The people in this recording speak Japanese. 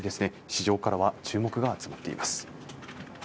市場からは注目が集まっています